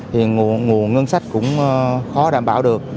thì nguồn ngân sách cũng khó đảm bảo được